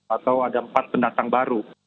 atau ada empat pendatang baru